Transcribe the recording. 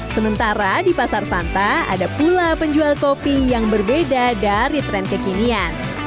sementara di pasar santa ada pula penjual kopi yang berbeda dari tren kekinian